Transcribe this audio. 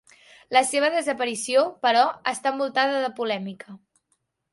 La seva desaparició, però, està envoltada de polèmica.